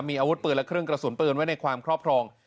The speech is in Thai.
มีอาวุธปืนและเครื่องกระสุนปืนไว้ในความครอบครอง